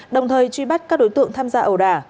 đồng thời truy bắt các đối tượng tham gia ẩu đả